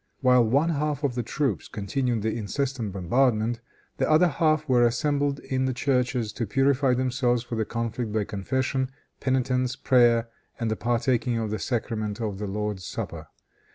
While one half of the troops continued the incessant bombardment, the other half were assembled in the churches to purify themselves for the conflict by confession, penitence, prayer and the partaking of the sacrament of the Lord's Supper.